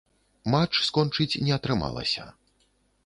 Матч скончыць не атрымалася.